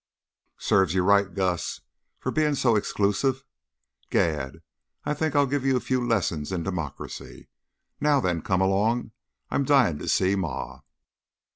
Serves you right, Gus, for being so exclusive. Gad! I think I'll give you a few lessons in democracy. Now then, come along! I'm dying to see Ma."